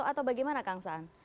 atau bagaimana kang saan